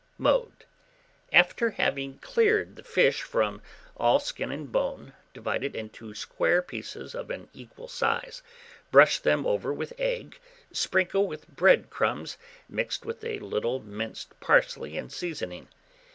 Mode. After having cleared the fish from all skin and bone, divide it into square pieces of an equal size; brush them over with egg, sprinkle with bread crumbs mixed with a little minced parsley and seasoning.